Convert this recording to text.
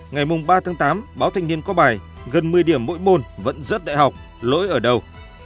ngày ba tháng tám báo thanh niên có bài gần một mươi điểm mỗi môn vẫn rớt đại học lỗi ở đâu